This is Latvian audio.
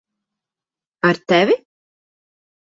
Ar tevi?